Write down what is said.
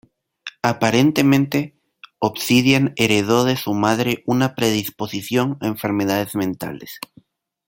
Aparentemente, Obsidian heredó de su madre una predisposición a enfermedades mentales.